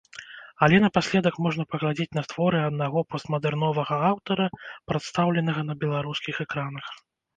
Але напаследак можна паглядзець на творы аднаго постмадэрновага аўтара, прадстаўленага на беларускіх экранах.